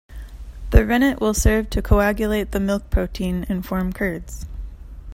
The rennet will serve to coagulate the milk protein and form curds.